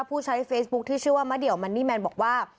ผู้ใช้เฟซบุ๊คที่ชื่อว่ามะเดี่ยวมันนี่แมนบอกว่า